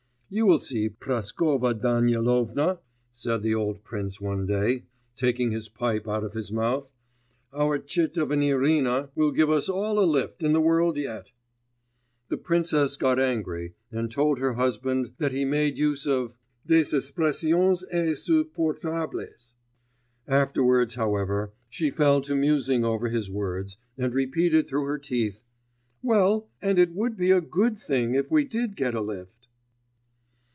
'You will see, Praskovya Danilovna,' said the old prince one day, taking his pipe out of his mouth, 'our chit of an Irina will give us all a lift in the world yet.' The princess got angry, and told her husband that he made use of 'des expressions insupportables'; afterwards, however, she fell to musing over his words, and repeated through her teeth: 'Well ... and it would be a good thing if we did get a lift.